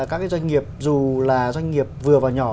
các doanh nghiệp dù là doanh nghiệp vừa và nhỏ